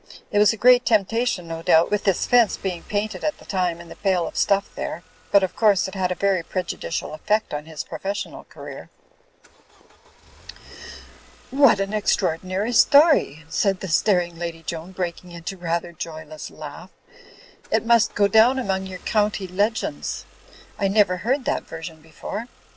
It was a great temptation, no doubt, with this fence being painted at the time and the pail of stuff there ; but, of course, it had a very prejudicial effect on his professional career." Digitized by CjOOQ IC THE SIGN OF "THE OLD SHIF' 35 ''What an extraordinary story !'* said the staring Lady Joan, breaking into a rather joyless laugh^ "It must go down among your county legends. I never heard that version before.